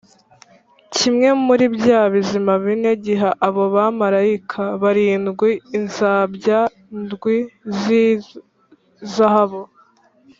Kimwe muri bya bizima bine giha abo bamarayika barindwi inzabya ndwi z’izahabu,